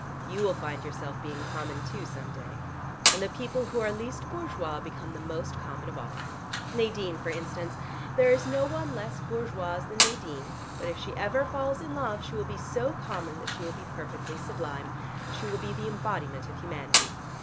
You will find yourself being common too, some day. And the people who are least bourgeois become the most common of all. Nadine, for instance: there is no one less bourgeoise than Nadine, but if she ever falls in love she will be so common that she will be perfectly sublime. She will be the embodiment of humanity.